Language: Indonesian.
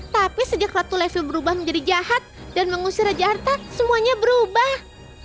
tapi sejak ratu levil berubah menjadi jahat dan mengusir raja artak semuanya berubah